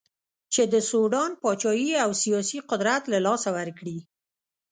چې د سوډان پاچهي او سیاسي قدرت له لاسه ورکړي.